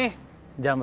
tapi dia gak mau